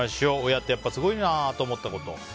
親ってやっぱりすごいなと思ったこと。